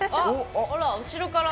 あら、後ろから。